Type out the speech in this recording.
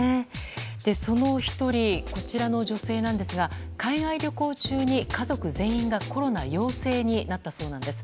その１人、こちらの女性ですが海外旅行中に家族全員がコロナ陽性になったそうなんです。